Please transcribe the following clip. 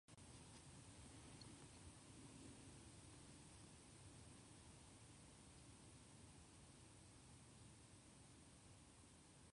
She obtained her PhD in geophysics from the Grenoble Alpes University.